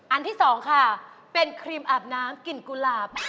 ที่สองค่ะเป็นครีมอาบน้ำกลิ่นกุหลาบ